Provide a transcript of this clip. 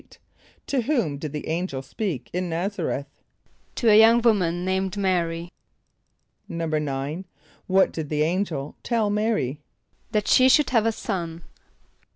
= To whom did the angel speak in N[)a]z´a r[)e]th? =To a young woman named M[=a]´r[)y].= =9.= What did the angel tell M[=a]´r[)y]? =That she should have a son.